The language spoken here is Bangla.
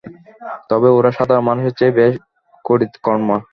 তবে ওরা সাধারণ মানুষের চেয়ে বেশ কড়িতকর্মা!